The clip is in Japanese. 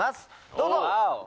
どうぞ！